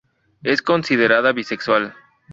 Es considerada bisexual.